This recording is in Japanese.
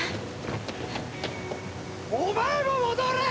お前も戻れ！！